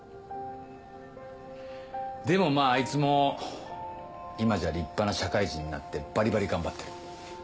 でもまぁあいつも今じゃ立派な社会人になってバリバリ頑張ってる。